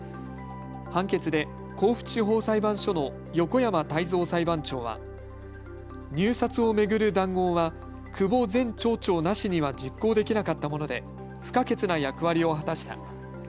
判決で甲府地方裁判所の横山泰造裁判長は入札を巡る談合は久保前町長なしには実行できなかったもので不可欠な役割を果たした。